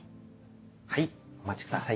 はいお待ちください。